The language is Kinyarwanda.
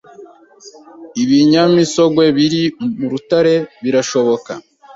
Ibinyamisogwe biri mu rutare birashoboka